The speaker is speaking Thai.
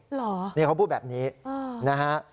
เหรอนี่เขาพูดแบบนี้นะฮะ